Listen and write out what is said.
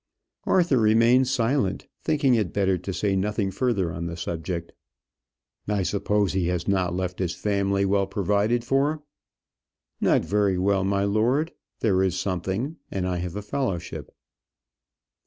Arthur remained silent, thinking it better to say nothing further on the subject. "I suppose he has not left his family well provided for?" "Not very well, my lord. There is something and I have a fellowship."